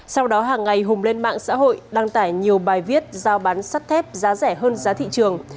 sau đó hàng ngày hùng lên mạng xã hội đăng tải nhiều bài viết giao bán sắt thép giá rẻ hơn giá thị trường